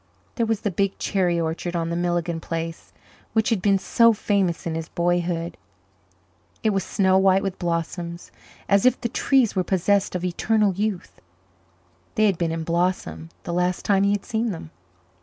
There was the big cherry orchard on the Milligan place which had been so famous in his boyhood. It was snow white with blossoms, as if the trees were possessed of eternal youth; they had been in blossom the last time he had seen them.